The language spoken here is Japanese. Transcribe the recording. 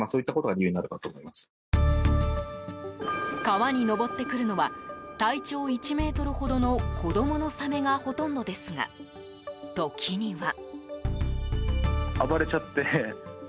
川に上ってくるのは体長１ｍほどの子供のサメがほとんどですが時には。